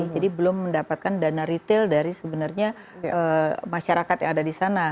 belum mendapatkan dana retail dari sebenarnya masyarakat yang ada di sana